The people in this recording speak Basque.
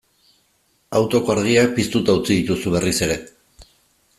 Autoko argiak piztuta utzi dituzu berriz ere.